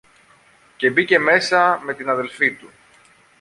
και μπήκε μέσα με την αδελφή του.